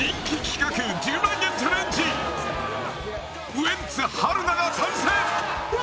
ウエンツ春菜が参戦うわ‼